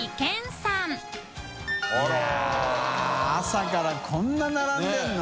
い笋朝からこんなに並んでるの？